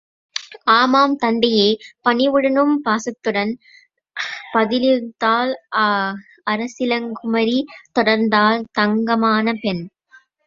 ஆமாம் தந்தையே! பணிவுடனும் பாசத்துடனும் பதிலிறுத்தாள் அரசிளங்குமரி தொடர்ந்தாள் தங்கமான பெண்.